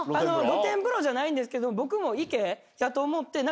露天風呂じゃないんですけど僕も。